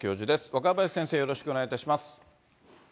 若林先生、よろしくお願いします。